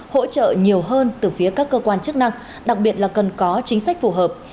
hỗ trợ nhiều hơn từ phía các cơ quan chức năng đặc biệt là cần có chính sách phù hợp